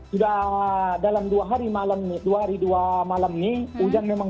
sudah dalam dua hari malam dua hari dua malam ini hujan masih turun